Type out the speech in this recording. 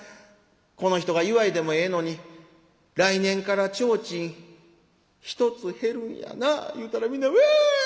この人が言わいでもええのに『来年から提灯１つ減るんやな』言うたら皆ワ。